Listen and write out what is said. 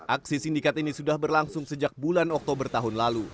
aksi sindikat ini sudah berlangsung sejak bulan oktober tahun lalu